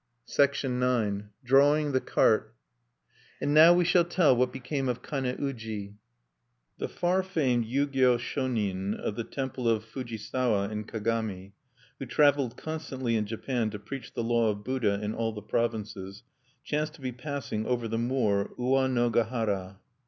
(1)A house of prostitution. IX. DRAWING THE CART And now we shall tell what became of Kane uji. The far famed Yugyo Shonin, of the temple of Fujisawa in Kagami, who traveled constantly in Japan to preach the law of Buddha in all the provinces, chanced to be passing over the moor Uwanogahara.